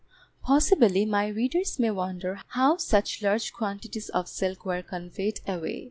Possibly my readers may wonder how such large quantities of silk were conveyed away.